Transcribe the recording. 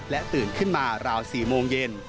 ตื่นขึ้นมาราว๔โมงเย็น